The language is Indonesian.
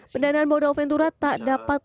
pendanaan modal ventura tak dapat